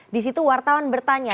disitu wartawan bertanya